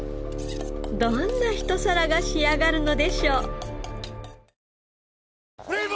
どんな一皿が仕上がるのでしょう？